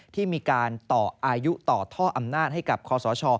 ที่มีการต่ออายุต่อท่ออำนาจให้กับคอสช